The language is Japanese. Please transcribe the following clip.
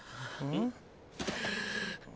ん？